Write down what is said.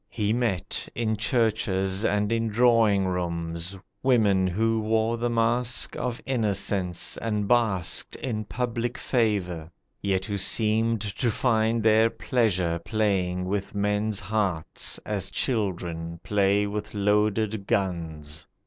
He met, in churches and in drawing rooms, Women who wore the mask of innocence And basked in public favour, yet who seemed To find their pleasure playing with men's hearts, As children play with loaded guns.